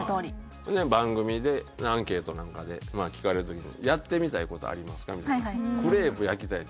番組でアンケートなんかで聞かれる時にやってみたいことありますか？